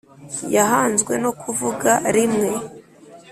yahanzwe no kuvuga rimwe